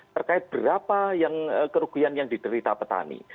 berkait berapa kerugian yang diterita petani